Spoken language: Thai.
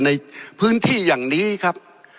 ในพื้นที่อย่างนี้ครับ